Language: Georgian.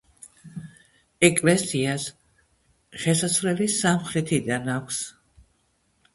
ეკლესიას შესასვლელი სამხრეთიდან აქვს.